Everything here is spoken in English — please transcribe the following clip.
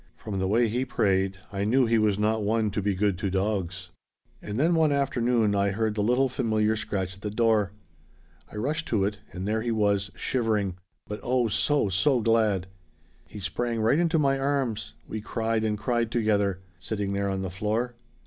From the way he prayed, I knew he was not one to be good to dogs. "And then one afternoon I heard the little familiar scratch at the door. I rushed to it, and there he was shivering but oh so, so glad! He sprang right into my arms we cried and cried together sitting there on the floor.